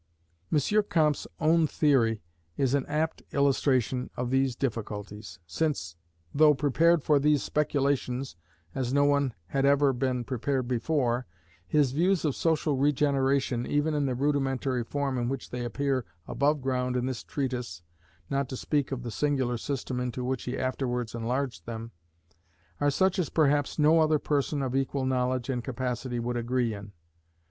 M. Comte's own theory is an apt illustration of these difficulties, since, though prepared for these speculations as no one had ever been prepared before, his views of social regeneration even in the rudimentary form in which they appear above ground in this treatise (not to speak of the singular system into which he afterwards enlarged them) are such as perhaps no other person of equal knowledge and capacity would agree in.